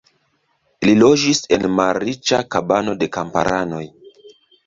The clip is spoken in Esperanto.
Li loĝis en malriĉa kabano de kamparanoj.